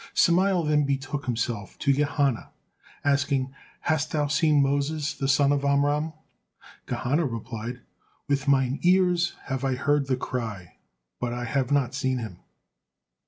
Samael then betook himself to Gehenna asking, "Hast thou seen Moses, the son of Amram?" Gehenna replied, "With mine ears have I heard the cry, but I have not seen him."